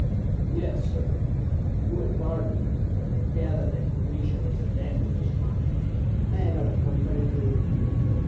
"Yes, sir. You will pardon me, but I gather that your mission is a dangerous one. May I not accompany you?"